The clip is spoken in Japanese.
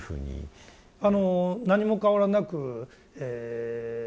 何も変わらなくえ。